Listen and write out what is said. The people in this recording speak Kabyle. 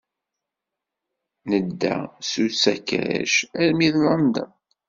Nedda s usakac armi d London.